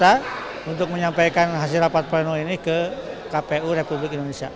kami berangkat ke jakarta untuk menyampaikan hasil rapat penuh ini ke kpu ri